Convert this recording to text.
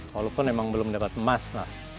walaupun emang belum dapat emas lah